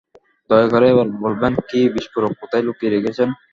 দয়া করে এবার বলবেন কি বিস্ফোরক কোথায় লুকিয়ে রেখেছেন?